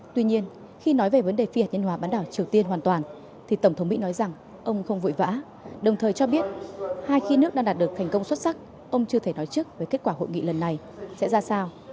tuy nhiên khi nói về vấn đề phi hạt nhân hóa bán đảo triều tiên hoàn toàn thì tổng thống mỹ nói rằng ông không vội vã đồng thời cho biết hai khi nước đang đạt được thành công xuất sắc ông chưa thể nói trước với kết quả hội nghị lần này sẽ ra sao